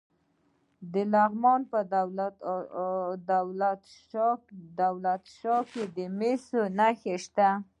د لغمان په دولت شاه کې د مسو نښې شته.